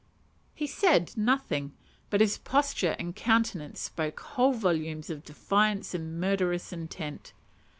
He said nothing, but his posture and countenance spoke whole volumes of defiance and murderous intent.